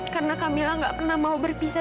karena kamila nggak pernah mau berpisah